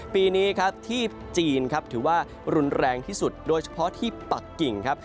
ปีนี้ครับที่จีนครับถือว่ารุนแรงที่สุดโดยเฉพาะที่ปักกิ่งครับ